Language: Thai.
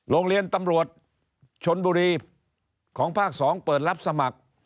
โรงเรียนตำรวจชนบุรีของภาค๒เปิดรับสมัคร